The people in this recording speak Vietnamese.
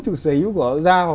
chủ sở hữu của họ ra